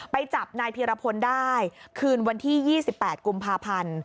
ไปจับนายพีรพลได้คืนวันที่๒๘กุมภาพันธ์